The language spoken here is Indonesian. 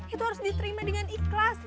itu harus diterima dengan ikhlas